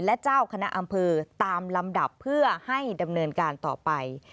และเจ้าคณะอำเภอตามลำดับเพื่อให้ดำเนินการต่อไป